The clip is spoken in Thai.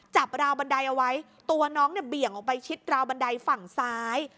ราวบันไดเอาไว้ตัวน้องเนี่ยเบี่ยงออกไปชิดราวบันไดฝั่งซ้าย